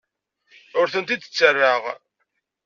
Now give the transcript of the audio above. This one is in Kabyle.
Ur tent-id-ttarraɣ.